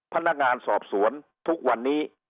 พนักงานสอบสวนทุกวันนี้